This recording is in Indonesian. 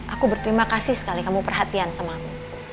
aku berterima kasih sekali kamu perhatian sama aku